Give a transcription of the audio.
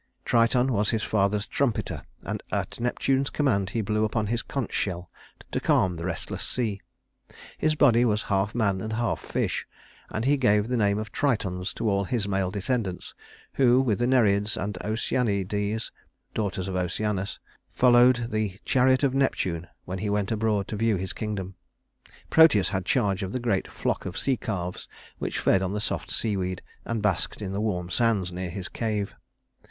Triton was his father's trumpeter, and at Neptune's command he blew upon his conch shell to calm the restless sea. His body was half man and half fish, and he gave the name of Tritons to all his male descendants, who, with the Nereids and Oceanides (daughters of Oceanus), followed the chariot of Neptune when he went abroad to view his kingdom. Proteus had charge of the great flock of sea calves which fed on the soft seaweed and basked in the warm sands near his cave.